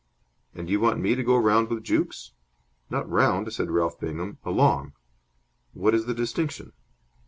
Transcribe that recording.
"And you want me to go round with Jukes?" "Not round," said Ralph Bingham. "Along." "What is the distinction?"